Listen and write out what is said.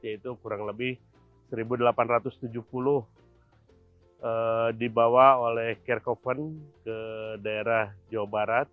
yaitu kurang lebih seribu delapan ratus tujuh puluh dibawa oleh carecoven ke daerah jawa barat